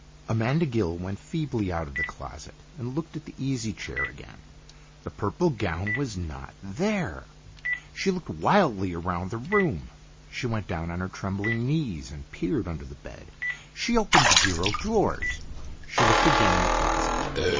Amanda Gill went feebly out of the closet and looked at the easy chair again. The purple gown was not there! She looked wildly around the room. She went down on her trembling knees and peered under the bed, she opened the bureau drawers, she looked again in the closet.